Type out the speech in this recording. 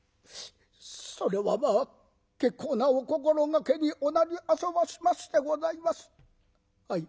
「それはまあ結構なお心がけにおなりあそばしましてございます。